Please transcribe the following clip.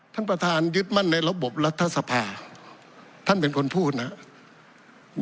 ท่านประธานยึดมั่นในระบบรัฐสภาท่านเป็นคนพูดนะครับ